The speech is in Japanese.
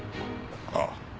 ああ。